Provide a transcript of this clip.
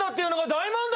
大問題？